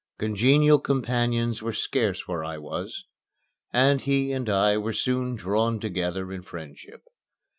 Congenial companions were scarce where I was, and he and I were soon drawn together in friendship.